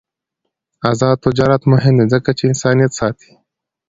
آزاد تجارت مهم دی ځکه چې انسانیت ساتي.